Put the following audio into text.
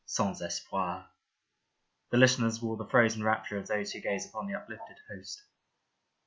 Sans Espoir. The listeners wore the frozen rapture of those who gaze upon the uplifted Host.